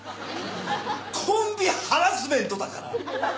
コンビハラスメントだから！